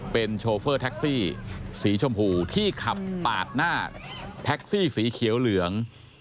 เป็นโชเฟอร์แท็กซี่สีชมพูที่ขับปาดหน้าแท็กซี่สีเขียวเหลือง